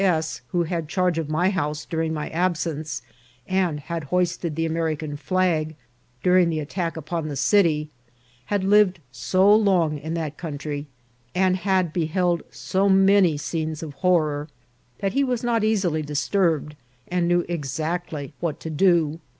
S., who had charge of my house during my absence, and had hoisted the American flag du ring the attack upon the city, had lived so long in that country, and had beheld so many scenes of horror, that he was not easily disturbed, and knew exactly what to do.